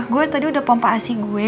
gue tadi udah pompa asi gue